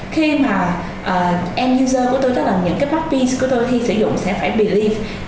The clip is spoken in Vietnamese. khi mà em user của tôi tất cả những cái mappies của tôi khi sử dụng sẽ phải believe